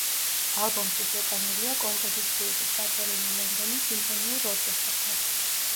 ალბომში შეტანილია კომპოზიციები, ჩაწერილი ლონდონის სიმფონიურ ორკესტრთან.